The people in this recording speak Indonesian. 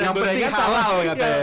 yang berhenti halal katanya